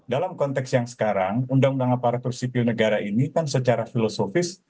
dalam konteks yang sekarang undang undang aparatur sipil negara ini kan secara filosofis